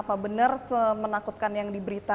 apa benar semenakutkan yang diberita